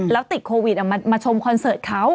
แล้วติดโควิดมาชมคอนเสิร์ตเขา